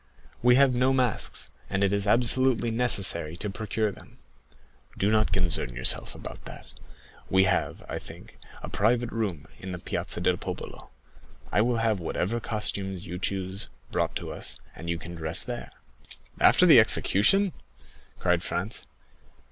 "We have no masks, and it is absolutely necessary to procure them." "Do not concern yourself about that; we have, I think, a private room in the Piazza del Popolo; I will have whatever costumes you choose brought to us, and you can dress there." "After the execution?" cried Franz.